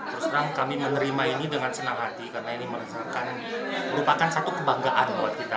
terus terang kami menerima ini dengan senang hati karena ini merupakan satu kebanggaan buat kita